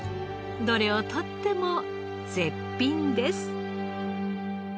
どれをとっても絶品です。